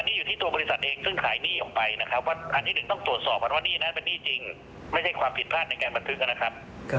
นี่อยู่ที่ตัวบริษัทเองซึ่งขายหนี้ออกไปนะครับว่าอันที่หนึ่งต้องตรวจสอบกันว่าหนี้นั้นเป็นหนี้จริงไม่ใช่ความผิดพลาดในการบันทึกนะครับ